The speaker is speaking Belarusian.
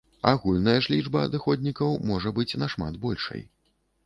Агульная ж лічба адыходнікаў можа быць нашмат большай.